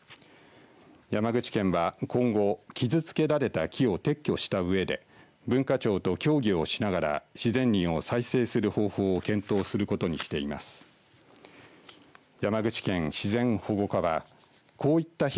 山口県は今後傷つけられた木を撤去したうえで文化庁と協議をしながら自然林を再生する方法を検討することにしています。